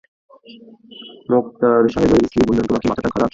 মোক্তার সাহেবের স্ত্রী বললেন, তোমার কি মাথাটা খারাপ?